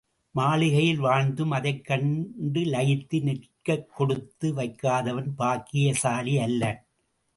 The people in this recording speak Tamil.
மாளிகையில் வாழ்ந்தும் அதைக் கண்டுலயித்து நிற்க கொடுத்து வைக்காதவன் பாக்கியசாலி அல்லன்.